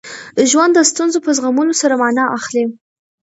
ژوند د ستونزو په زغمولو سره مانا اخلي.